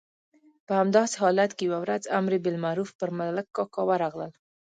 په همداسې حالت کې یوه ورځ امر بالمعروف پر ملک کاکا ورغلل.